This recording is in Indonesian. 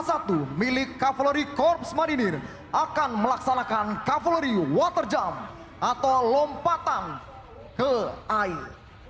tujuh a satu milik cavalry corps marinir akan melaksanakan cavalry water jump atau lompatan ke air